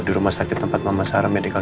di rumah sakit tempat mama sara medical